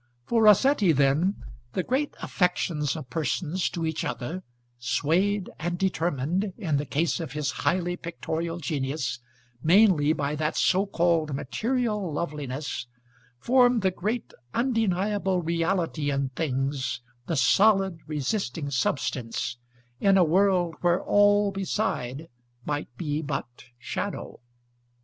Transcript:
For Rossetti, then, the great affections of persons to each other, swayed and determined, in the case of his highly pictorial genius, mainly by that so called material loveliness, formed the great undeniable reality in things, the solid resisting substance, in a world where all beside might be but shadow.